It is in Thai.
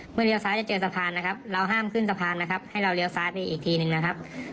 เลี้ยซ้ายจะเจอสะพานนะครับเราห้ามขึ้นสะพานนะครับให้เราเลี้ยวซ้ายนี้อีกทีหนึ่งนะครับ